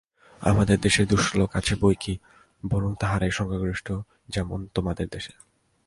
আমাদের দেশে দুষ্ট লোক আছে বৈকি, বরং তাহারাই সংখ্যাগরিষ্ঠ, যেমন তোমাদের দেশে।